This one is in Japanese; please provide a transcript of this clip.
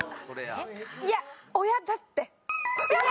いや親だって。